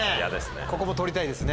ここも取りたいですね